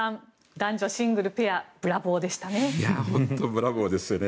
男女シングル、ペアブラボーでしたね。